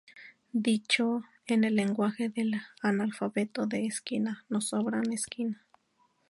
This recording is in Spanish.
Dicho en el lenguaje del analfabeto de esquina nos sobran esquinas.